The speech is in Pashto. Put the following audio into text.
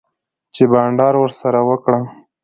چی بانډار ورسره وکړم